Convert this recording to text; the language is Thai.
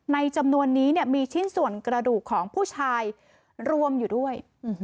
จำนวนนี้มีชิ้นส่วนกระดูกของผู้ชายรวมอยู่ด้วย